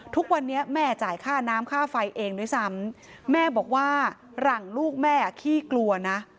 ทุกวันนี้แม่จ่ายค่าน้ำค่าไฟเองด้วยซ้ำแม่บอกว่าหลังลูกแม่ขี้กลัวนะ